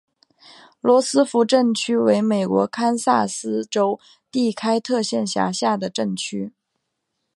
罗斯福镇区为美国堪萨斯州第开特县辖下的镇区。